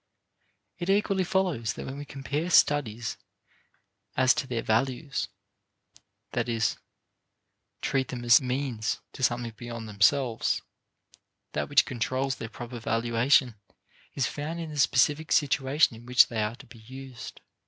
It equally follows that when we compare studies as to their values, that is, treat them as means to something beyond themselves, that which controls their proper valuation is found in the specific situation in which they are to be used.